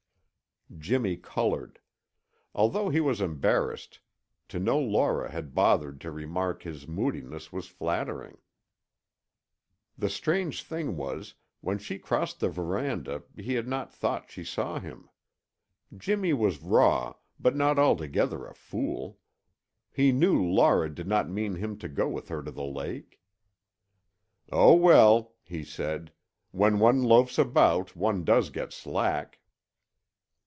Jimmy colored. Although he was embarrassed, to know Laura had bothered to remark his moodiness was flattering; the strange thing was, when she crossed the veranda he had not thought she saw him. Jimmy was raw, but not altogether a fool. He knew Laura did not mean him to go with her to the lake. "Oh, well," he said. "When one loafs about, one does get slack."